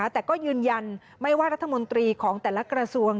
แต่ก็ยืนยันไม่ว่ารัฐมนตรีของแต่ละกระทรวง